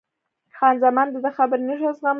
خان زمان د ده خبرې نه شوای زغملای.